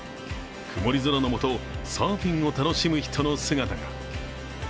曇り空のもと、サーフィンを楽しむ人の姿が。